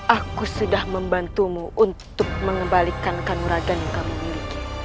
aku sudah membantumu untuk mengembalikan kanuragan yang kami miliki